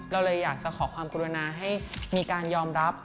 เราเลยอยากจะขอความกรุณาให้มีการยอมรับ